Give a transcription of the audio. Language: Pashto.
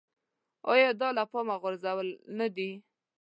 ایا دا له پامه غورځول نه دي.